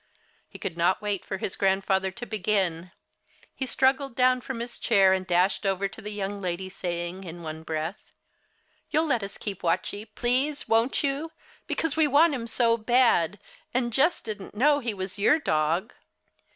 He could not wait for his grandfather to begin. He struggled down from his chair and dashed over to the young lady saying, in one breath, "You'll let us keep Watchie, please, won't you, because we want him so bad, and Jess didn't know he was your dog?"